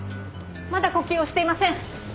まだ呼吸をしていません。